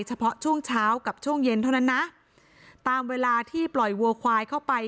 เฉพาะช่วงเช้ากับช่วงเย็นเท่านั้นนะตามเวลาที่ปล่อยวัวควายเข้าไป